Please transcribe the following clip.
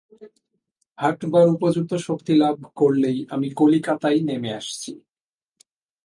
হাঁটবার উপযুক্ত শক্তি লাভ করলেই আমি কলিকাতায় নেমে আসছি।